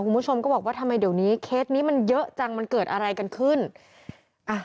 คุณผู้ชมก็บอกว่าทำไมเดี๋ยวนี้เคสนี้มันเยอะจังมันเกิดอะไรกันขึ้นอ่ะ